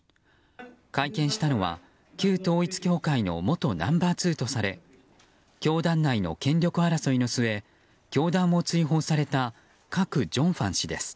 会見したのは旧統一教会の元ナンバー２とされ教団内の権力争いの末教団を追放されたカク・ジョンファン氏です。